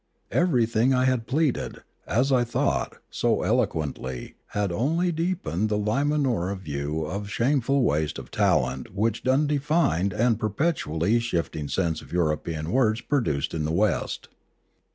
Everything I had pleaded, as I thought, so eloquently had only deepened the Limanoran view of the shame ful waste of talent which the undefined and perpetually shifting sense of European words produced in the West.